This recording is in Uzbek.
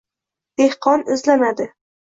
dehqon izlanadi